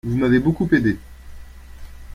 Vous m'avez beaucoup aidé.